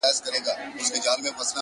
شــاعــر دمـيـني ومه درد تــه راغــلـم _